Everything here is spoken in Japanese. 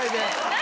何？